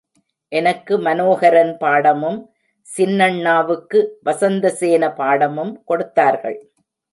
எனக்கு மனேஹரன் பாடமும் சின்னண்ணாவுக்கு வசந்தசேன பாடமும் கொடுத்தார்கள்.